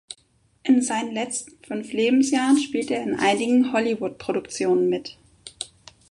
In seinen letzten fünf Lebensjahren spielte er in einigen Hollywood-Produktionen mit.